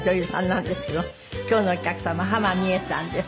今日のお客様浜美枝さんです。